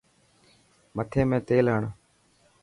مٿي ۾ تيل هڻ.